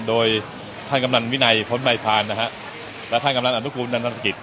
โดยท่านกำลังวินัยพ้นมัยพานนะฮะและท่านกำลังอนุกูลนันนรกิจ